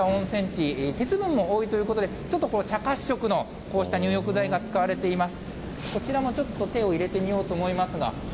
こちら、そのイメージのもとになった温泉地、鉄分も多いということで、ちょっと茶褐色のこうした入浴剤が使われています。